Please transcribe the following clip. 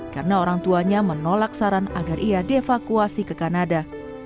karena orang tuanya menolak saran agar ia dievakuasi ke kanada